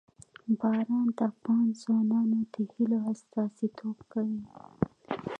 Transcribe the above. باران د افغان ځوانانو د هیلو استازیتوب کوي.